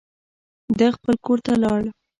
ده خپل کور ته لاړ.